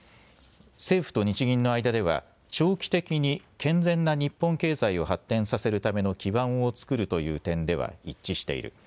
政府と日銀の間では長期的に健全な日本経済を発展させるための基盤を作るという点では一致している。